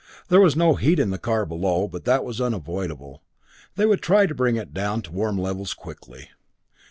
There was no heat in the car below, but that was unavoidable. They would try to bring it down to warm levels quickly.